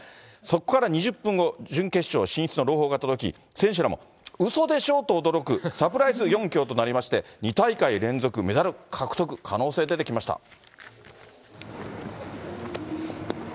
そこから２０分後、準決勝進出の朗報が届き、選手らもうそでしょと驚くサプライズ４強となりまして、２大会連続メダル獲得、可能性出てきました。